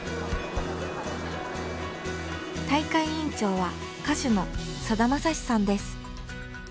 大会委員長は歌手のさだまさしさんです。